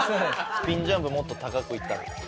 スピンジャンプもっと高くいったら。